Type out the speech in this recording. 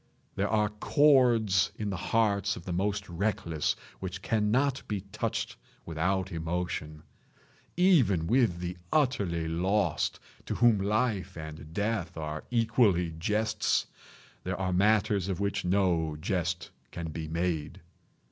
There are chords in the hearts of the most reckless which cannot be touched without emotion. Even with the utterly lost, to whom life and death are equally jests, there are matters of which no jest can be made.